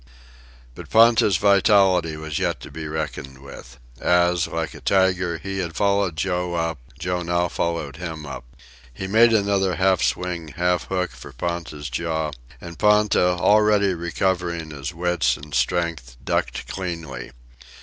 But Ponta's vitality was yet to be reckoned with. As, like a tiger, he had followed Joe up, Joe now followed him up. He made another half swing, half hook, for Ponta's jaw, and Ponta, already recovering his wits and strength, ducked cleanly.